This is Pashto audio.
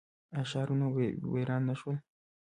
آیا ښارونه ویران نه شول؟